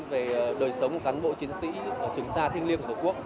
về đời sống của cán bộ chiến sĩ ở trường sa thiên liêng của tổ quốc